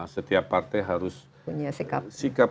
setiap partai harus sikap